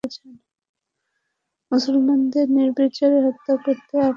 মুসলমানদের নির্বিচারে হত্যা করতে এখন তাদের আর কোন বাধা ছিল না।